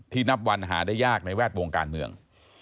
นับวันหาได้ยากในแวดวงการเมือง